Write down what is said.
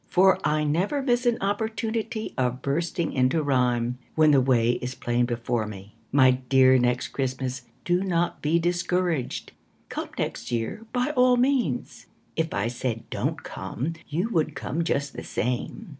For I never miss an opportunity Of bursting into rhyme. When the way is plain before me. My dear Next Christmas, Do not be discouraged, Come next year by all means; If I said "Don't come" You would come just the same.